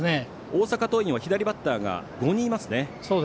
大阪桐蔭は左バッターが５人いますね。